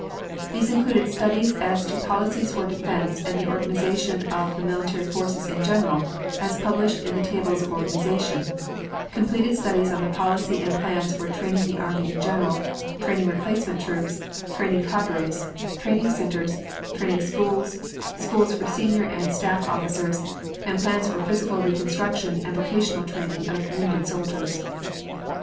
These included studies as to policies for defense and the organization of the military forces in general as published in Tables of Organization, completed studies on the policy and plans for training the army in general, training replacement troops, training cadres, training centers, training schools, schools for senior and staff officers, and plans for physical reconstruction and vocational training of wounded soldiers.